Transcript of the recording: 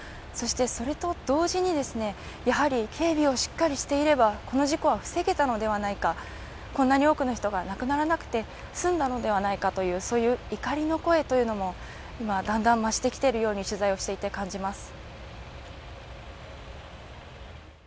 それと同時に警備をしっかりしていればこの事故は防げたのではないかこんなに多くの人が亡くならなくて済んだのではないかというそういう怒りの声というのも今、だんだん増してきているように取材をしていて感じます。